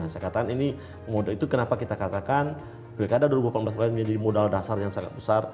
saya katakan ini itu kenapa kita katakan pilkada dua ribu delapan belas kemarin menjadi modal dasar yang sangat besar